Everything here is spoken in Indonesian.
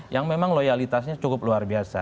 yang memang loyalitasnya cukup luar biasa